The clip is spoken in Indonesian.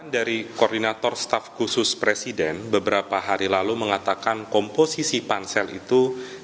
dari koordinator staff khusus presiden beberapa hari lalu mengatakan komposisi pansel itu